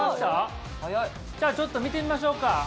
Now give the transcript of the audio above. じゃちょっと見てみましょうか。